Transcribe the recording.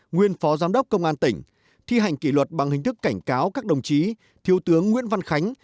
nguyên phó giám đốc công an tỉnh thi hành kỷ luật bằng hình thức cảnh cáo các đồng chí thiếu tướng nguyễn văn khánh